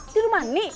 di rumah ani